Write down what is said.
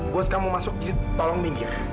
gue sekarang mau masuk jadi tolong minggir